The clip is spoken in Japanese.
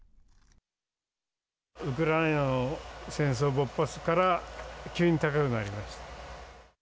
ウクライナの戦争勃発から急に高くなりました。